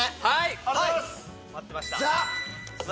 ありがとうございます！